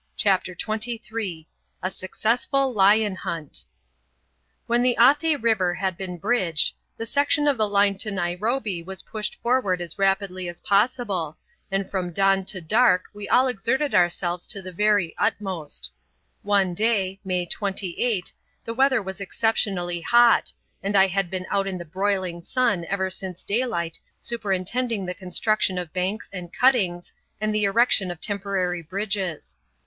CHAPTER XXIII A SUCCESSFUL LION HUNT When the Athi river had been bridged, the section of the line to Nairobi was pushed forward as rapidly as possible, and from dawn to dark we all exerted ourselves to the very utmost. One day (May 28) the weather was exceptionally hot, and I had been out in the broiling sun ever since daylight superintending the construction of banks and cuttings and the erection of temporary bridges.